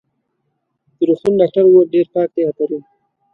د روغتون ډاکټر وویل: ډېر پاک دی، افرین.